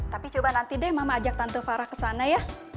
tapi coba nanti deh mama ajak tante farah ke sana ya